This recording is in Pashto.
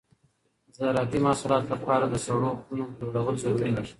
د زراعتي محصولاتو لپاره د سړو خونو جوړول ضروري دي.